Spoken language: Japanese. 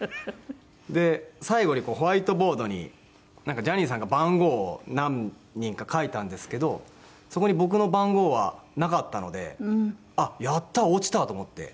で最後にホワイトボードにジャニーさんが番号を何人か書いたんですけどそこに僕の番号はなかったのであっやったー！落ちた！と思って。